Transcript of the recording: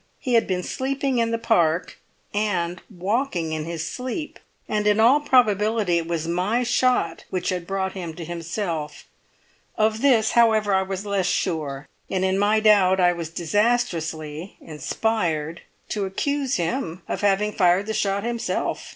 He had been sleeping in the Park, and walking in his sleep, and in all probability it was my shot which had brought him to himself; of this, however, I was less sure, and in my doubt I was disastrously inspired to accuse him of having fired the shot himself.